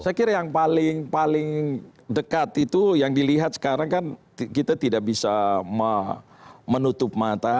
saya kira yang paling dekat itu yang dilihat sekarang kan kita tidak bisa menutup mata